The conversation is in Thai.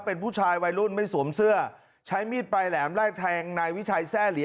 เป็นผู้ชายวัยรุ่นไม่สวมเสื้อใช้มีดปลายแหลมไล่แทงนายวิชัยแทร่เหลีย